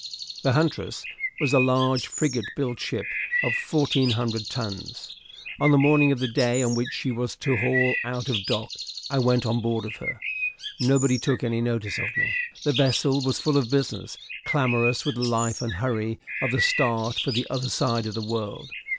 The "Huntress" was a large frigate built ship of 1400 tons. On the morning of the day on which she was to haul out of dock I went on board of her. Nobody took any notice of me. The vessel was full of business, clamorous with the life and hurry of the start for the other side of the world.